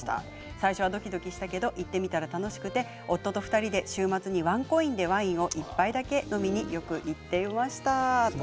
最初はドキドキしましたが行ってみたら楽しくて夫と２人で週末に、ワンコインでワインを１杯だけ飲みに行っていました。